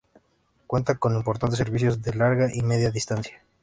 Cuenta con importantes servicios de Larga y Media Distancia.